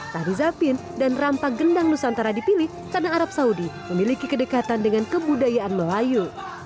tari zapin dan rampak gendang nusantara dipilih karena arab saudi memiliki kedekatan dengan kebudayaan melayu